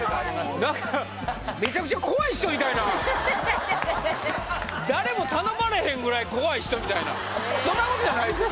何かみたいな誰も頼まれへんぐらい怖い人みたいなそんなことじゃないですね